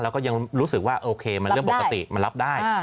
แล้วก็ยังรู้สึกว่าโอเคมันเรื่องปกติมันรับได้